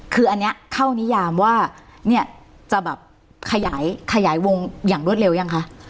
คืออันนี้เข้านิยามว่าเนี่ยจะแบบขยายวงอย่างรวดเร็วยังคะ